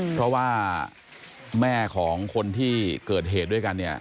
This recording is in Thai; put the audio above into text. เพราะว่าแม่ของคนที่เกิดเหตุด้วยกันเนี่ย